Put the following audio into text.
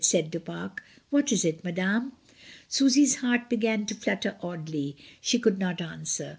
said Du Pare. "What is it, ma dame?" Susy's heart began to flutter oddly. She could not answer.